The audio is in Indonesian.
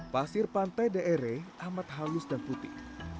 pasir pantai dere amat halus dan putih